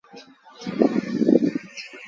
مآڻهآن ري مٿآن تي ٽپڙ هُݩدآ۔